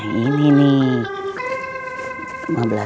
nah yang ini nih